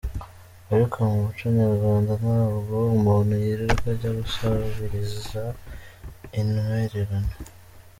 Ariko mu muco nyarwanda ntabwo umuntu yirirwa ajya gusabiriza intwererano.